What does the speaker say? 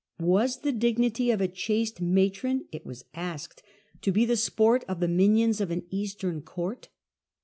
Was the dignity of a chaste matron, it was asked, to be the sport of the minions of an Eastern court